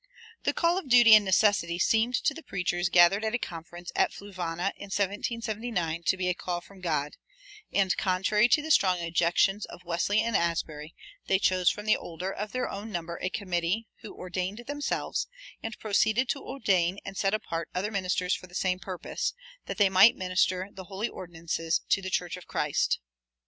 The call of duty and necessity seemed to the preachers gathered at a conference at Fluvanna in 1779 to be a call from God; and, contrary to the strong objections of Wesley and Asbury, they chose from the older of their own number a committee who "ordained themselves, and proceeded to ordain and set apart other ministers for the same purpose that they might minister the holy ordinances to the church of Christ."